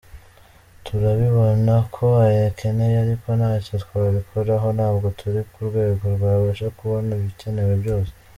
Turabibona ko ayakeneye ariko ntacyo twabikoraho, ntabwo turi ku rwego rwabasha kubona ibikenewe byose.